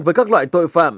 với các loại tội phạm